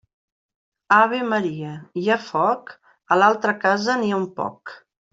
Ave Maria, hi ha foc? A l'altra casa n'hi ha un poc.